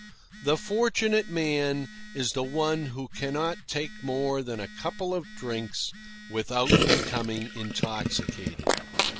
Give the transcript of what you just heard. The fortunate man is the one who cannot take more than a couple of drinks without becoming intoxicated.